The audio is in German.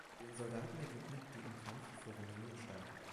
Den Soldaten gewidmet, die im Kampf für Rumnänien starben.